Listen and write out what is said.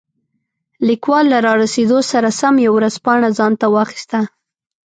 لیکوال له رارسېدو سره سم یوه ورځپاڼه ځانته واخیسته.